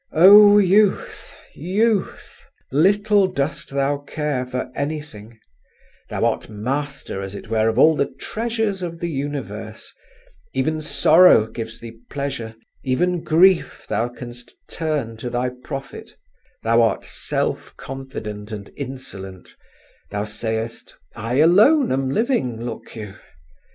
O youth, youth! little dost thou care for anything; thou art master, as it were, of all the treasures of the universe—even sorrow gives thee pleasure, even grief thou canst turn to thy profit; thou art self confident and insolent; thou sayest, "I alone am living—look you!"